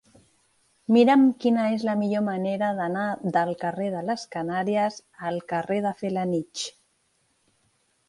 Mira'm quina és la millor manera d'anar del carrer de les Canàries al carrer de Felanitx.